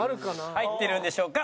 「入ってるんでしょうか」。